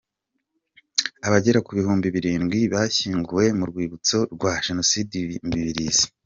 Abagera ku Bihumbi birindwi bashyinguwe mu rwibutso rwa Jenoside i Mibirizi